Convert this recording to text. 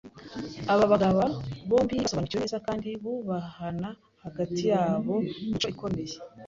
Aba bagabo bombi basobanukiwe neza, kandi bubahana hagati yabo imico ikomeye.